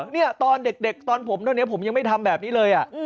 เนี่ยตอนเด็กตอนผมเท่านี้ผมยังไม่ทำแบบนี้เลย